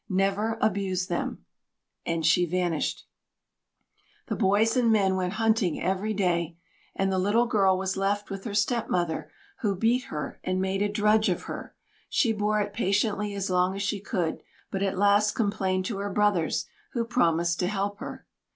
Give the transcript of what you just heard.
Never abuse them," and she vanished. The boys and men went hunting every day, and the little girl was left with her stepmother, who beat her and made a drudge of her. She bore it patiently as long as she could, but at last complained to her brothers, who promised to help her.